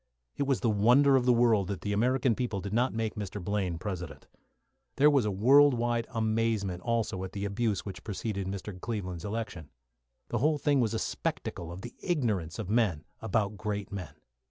It was the wonder of the world that the American people did not make Mr. Blaine President. There was a world wide amazement also at the abuse which preceded Mr. Cleveland's election. The whole thing was a spectacle of the ignorance of men about great men.